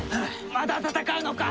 まだ戦うのか！